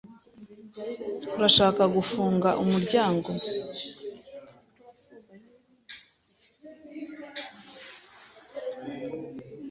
Urashaka gufunga umuryango?